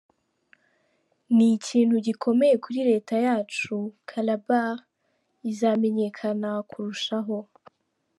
Ni ikintu gikomeye kuri leta yacu, Calabar izamenyekana kurushaho.